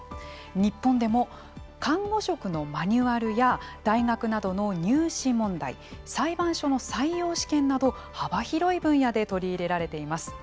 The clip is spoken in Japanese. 日本でも看護職のマニュアルや大学などの入試問題裁判所の採用試験など幅広い分野で取り入れられています。